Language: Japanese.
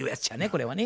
これはね。